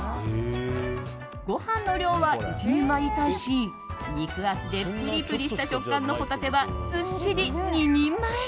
ご飯の量は１人前に対し肉厚でプリプリした食感のホタテは、ずっしり２人前。